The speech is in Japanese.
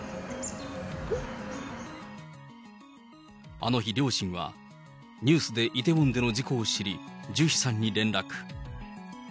あの日両親は、ニュースでイテウォンでの事故を知り、ジュヒさんに連絡。